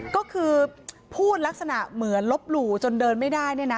ก็คือพูดลักษณะเหมือนลบหลู่จนเดินไม่ได้เนี่ยนะ